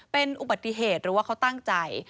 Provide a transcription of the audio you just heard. เป็นอุบัติเหตุหรือว่าเขาตั้งใจ